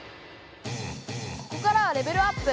ここからはレベルアップ！